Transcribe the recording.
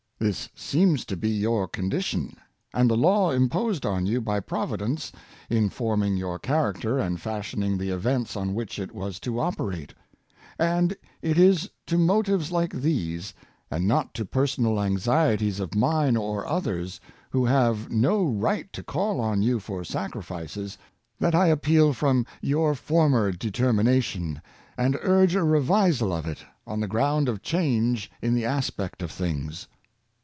This seems to be your condition, and the law imposed on you by Provi dence in forming your character and fashioning the events on which it was to operate; and it is to motives like these, and not to personal anxieties of mine or others, who have no right to call on you for sacrifices, that I appeal from your former determination, and urge a revisal of it, on the ground of change in the aspect of things."